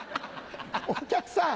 お客さん。